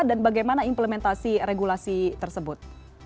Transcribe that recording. dan bagaimana implementasi regulasi tersebut